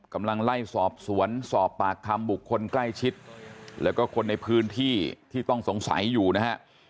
กำลังไล่สอบสวนสอบปากคำบุคคลใกล้ชิดแล้วก็คนในพื้นที่ที่ต้องสงสัยอยู่นะฮะ